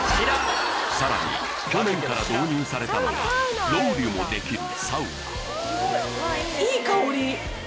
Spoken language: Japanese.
さらに去年から導入されたのがロウリュもできるいい香り。